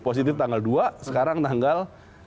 positif tanggal dua sekarang tanggal tiga belas